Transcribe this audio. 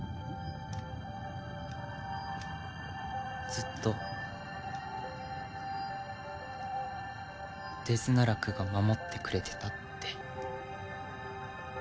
「ずっとデズナラクが守ってくれてた」って。